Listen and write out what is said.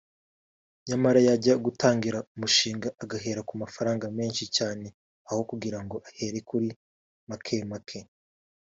nyamara yajya gutangira umushinga agahera ku mafaranga menshi cyane aho kugira ngo ahere kuri make make